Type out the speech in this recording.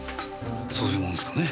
そういうもんすかね。